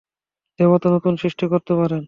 দেবতা নতুন সষ্টি করতে পারেন।